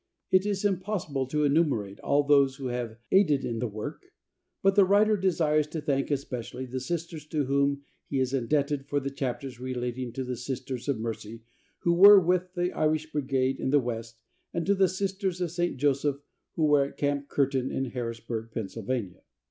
It is impossible to enumerate all those who have aided in the work, but the writer desires to thank especially the Sisters to whom he is indebted for the chapters relating to the Sisters of Mercy who were with the Irish Brigade in the West, and to the Sisters of St. Joseph who were at Camp Curtin, in Harrisburg, Pa.